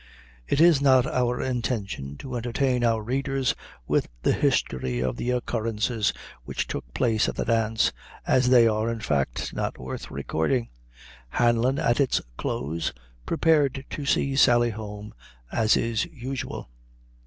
It is not our intention to entertain our readers with the history of the occurrences which took place at the dance, as they are, in fact, not worth recording. Hanlon, at its close, prepared to see Sally home, as is usual.